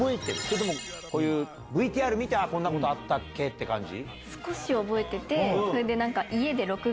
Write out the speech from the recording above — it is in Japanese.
それともこういうＶＴＲ見てこんなことあったっけって感じ？